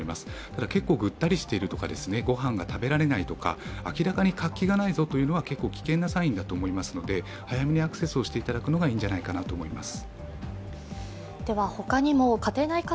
ただ、結構ぐったりしているとか、ご飯が食べられないとか、明らかに活気がないぞというのは結構危険なサインだと思いますので早めにアクセスをしていただくのがいいんじゃないかなと思います。